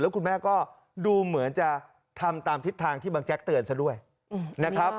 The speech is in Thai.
คุณแม่ก็ดูเหมือนจะทำตามทิศทางที่บางแจ๊กเตือนซะด้วยนะครับ